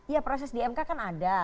ya proses dmk kan ada